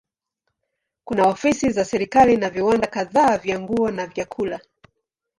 Kuna ofisi za serikali na viwanda kadhaa vya nguo na vyakula.